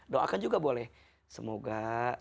doakan juga boleh semoga